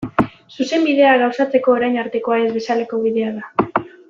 Zuzenbidea gauzatzeko orain artekoa ez bezalako bidea da.